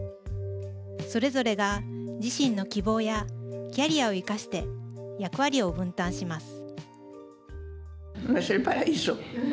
それぞれが自身の希望やキャリアを生かして役割を分担します。